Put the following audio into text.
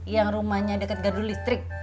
yang rumahnya dekat gardu listrik